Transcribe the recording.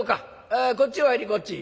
あこっちお入りこっち」。